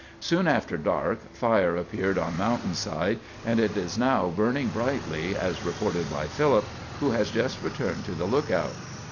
Soon after dark, fire appeared on mountainside, and it is now burning brightly, as reported by Philip, who has just returned to the lookout.